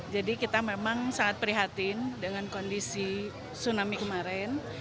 jadi kita memang sangat prihatin dengan kondisi tsunami kemarin